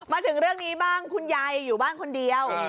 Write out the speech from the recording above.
มาถึงเรื่องนี้บ้างคุณยายอยู่บ้านคนเดียว